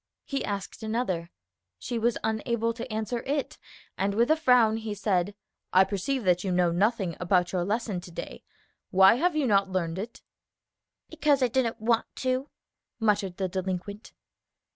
He asked another; she was unable to answer it; and with a frown he said, "I perceive that you know nothing about your lesson to day. Why have you not learned it?" "Because I didn't want to," muttered the delinquent.